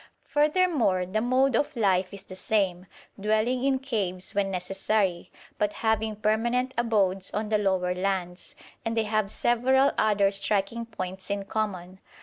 Furthermore, the mode of life is the same dwelling in caves when necessary, but having permanent abodes on the lower lands; and they have several other striking points in common.